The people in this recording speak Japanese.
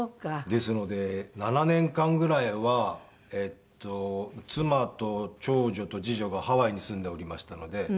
ですので７年間ぐらいは妻と長女と次女がハワイに住んでおりましたので。